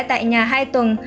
tại nhà hai tuần